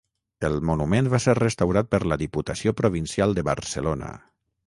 El monument va ser restaurat per la Diputació Provincial de Barcelona.